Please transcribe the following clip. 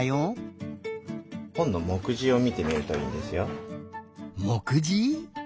ほんのもくじをみてみるといいんですよ。もくじ？